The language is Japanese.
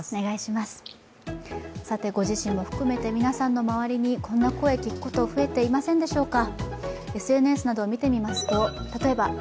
ご自身も含めて皆さんの周りにこんな声、聞くこと増えていませんでしょうか？